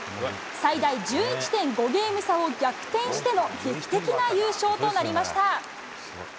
最大１１．５ゲーム差を逆転しての劇的な優勝となりました。